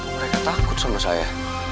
mereka takut sama saya